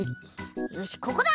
よしここだ！